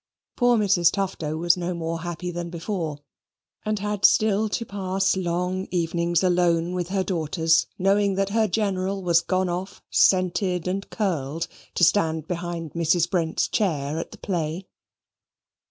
Poor Mrs. Tufto was no more happy than before, and had still to pass long evenings alone with her daughters, knowing that her General was gone off scented and curled to stand behind Mrs. Brent's chair at the play.